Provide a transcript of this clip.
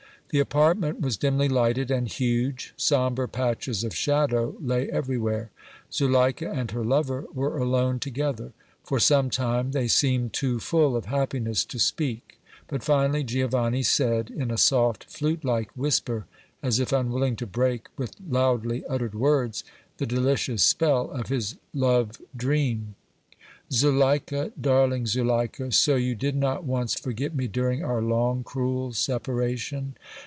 The apartment was dimly lighted and huge, sombre patches of shadow lay everywhere. Zuleika and her lover were alone together; for some time they seemed too full of happiness to speak, but finally Giovanni said, in a soft, flutelike whisper, as if unwilling to break with loudly uttered words the delicious spell of his love dream: "Zuleika, darling Zuleika, so you did not once forget me during our long, cruel separation?"